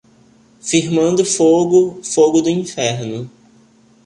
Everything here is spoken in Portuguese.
Firmando fogo, fogo do inferno.